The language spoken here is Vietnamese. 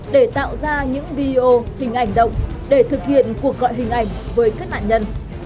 để tạo ra những video hình ảnh động để thực hiện cuộc gọi hình ảnh với các nạn nhân